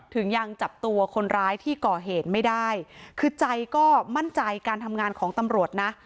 ยังจับตัวคนร้ายที่ก่อเหตุไม่ได้คือใจก็มั่นใจการทำงานของตำรวจนะ